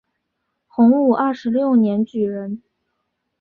洪武二十六年举人。